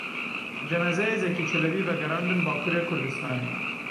Cenazeyê Zekî Çelebî vegerandin Bakurê Kurdistanê.